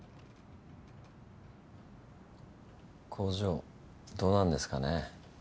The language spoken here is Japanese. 工場どうなるんですかね？